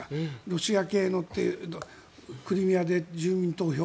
ロシア系のクリミアで住民投票。